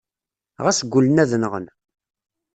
Ɣas gullen ad nɣen.